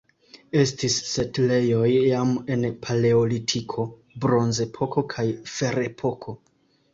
Estis setlejoj jam en Paleolitiko, Bronzepoko kaj Ferepoko.